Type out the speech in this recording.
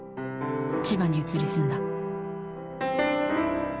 千葉に移り住んだ。